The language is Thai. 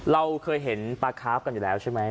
เราเคยเห็นปลาคาร์ฟกันอยู่แล้วใช่ไหม